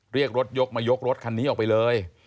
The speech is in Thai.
เรียกรถยกมายกรถคันนี้ออกไปเลย